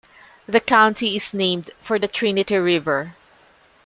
The county is named for the Trinity River.